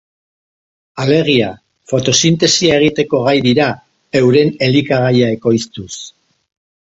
Alegia, fotosintesia egiteko gai dira, euren elikagaia ekoiztuz.